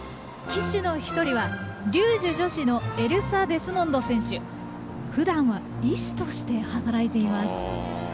旗手の１人は、リュージュ女子のエルサ・デスモンド選手。ふだんは医師として働いています。